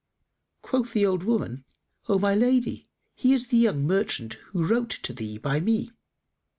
Quoth the old woman, "O my lady, he is the young merchant who wrote to thee by me."